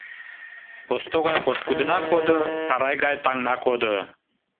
Посто гай пошкудына кодо, тарай гай таҥна кодо.